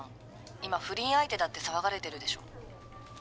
今不倫相手だって騒がれてるでしょ。